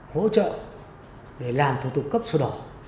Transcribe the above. hỗ trợ để làm thủ tục cấp sổ đỏ